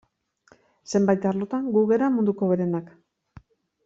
Zenbait arlotan gu gara munduko hoberenak.